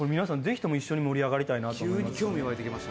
ぜひとも一緒に盛り上がりたいなと思いますね。